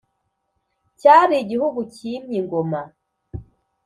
cyari igihugu cyimye ingoma